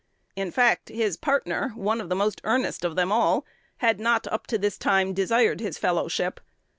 In fact, his partner, one of the most earnest of them all, had not up to this time desired his fellowship.